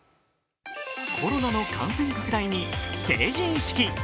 コロナの感染拡大に成人式